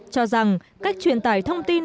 cho rằng cách truyền tải thông tin